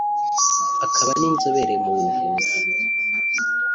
akaba n’inzobere mu buvuzi